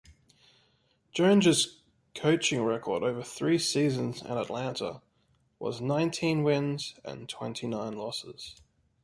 Jones's coaching record over three seasons in Atlanta was nineteen wins and twenty-nine losses.